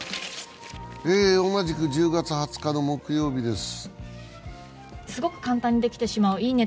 同じく１０月２０日の木曜日です。